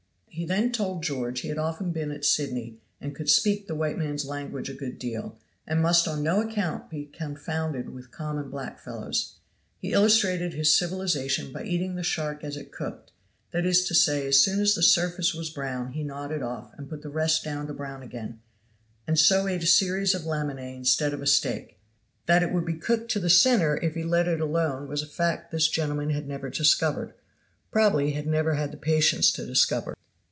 He then told George he had often been at Sydney, and could "speak the white man's language a good deal," and must on no account be confounded with common black fellows. He illustrated his civilization by eating the shark as it cooked; that is to say, as soon as the surface was brown he gnawed it off, and put the rest down to brown again, and so ate a series of laminae instead of a steak; that it would be cooked to the center if he let it alone was a fact this gentleman had never discovered; probably had never had the patience to discover.